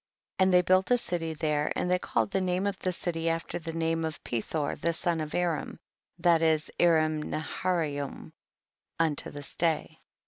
28. And they built a city there, and they called the name of the city after the name of Pethor the son of Aram, that is Aram Naherayim* un to this day.